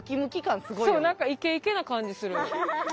何かイケイケな感じする。